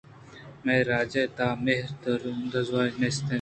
مئے راج ءِ تہ ءَ مھر ءُ دوازدھی نیست